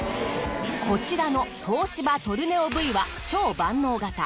こちらの東芝トルネオＶは超万能型。